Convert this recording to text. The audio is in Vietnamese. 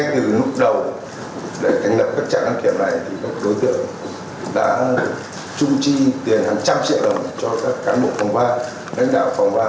đã trung trì tiền hàng trăm triệu đồng cho các cán bộ phòng va lãnh đạo phòng va